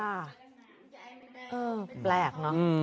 เออแปลกเนอะ